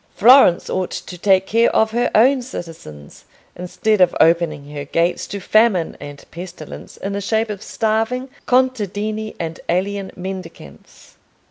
Florence ought to take care of her own citizens, instead of opening her gates to famine and pestilence in the shape of starving contadini and alien mendicants.